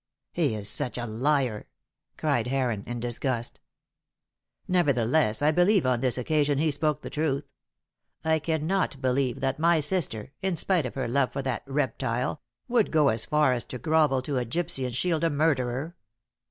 "He is such a liar!" cried Heron, in disgust. "Nevertheless, I believe on this occasion he spoke the truth. I cannot believe that my sister in spite of her love for that reptile would go as far as to grovel to a gypsy and shield a murderer.